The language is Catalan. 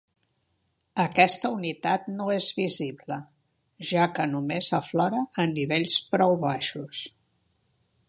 Aquesta unitat no és visible, ja que només aflora en nivells prou baixos.